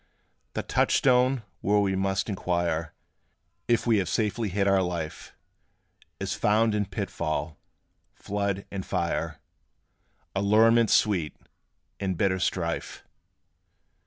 The touchstone, where we must inquire If we have safely hid our life, Is found in pitfall, flood, and fire, Allurements sweet, and bitter strife.